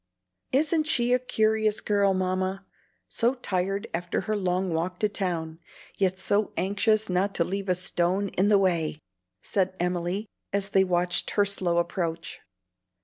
"Isn't she a curious girl, Mamma? so tired after her long walk to town, yet so anxious not to leave a stone in the way," said Emily, as they watched her slow approach.